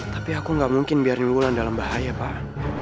tapi aku nggak mungkin biarin lulan dalam bahaya pak